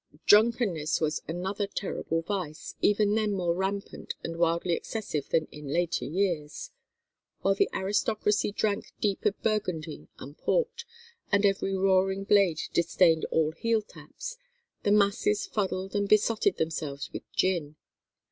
Drunkenness was another terrible vice, even then more rampant and wildly excessive than in later years. While the aristocracy drank deep of Burgundy and port, and every roaring blade disdained all heel taps, the masses fuddled and besotted themselves with gin.